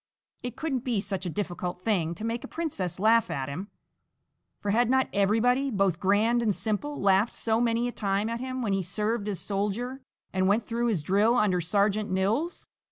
It couldn't be such a difficult thing to make a princess laugh at him, for had not everybody, both grand and simple, laughed so many a time at him when he served as soldier and went through his drill under Sergeant Nils.